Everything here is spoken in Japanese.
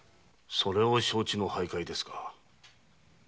それを承知の徘徊ですか。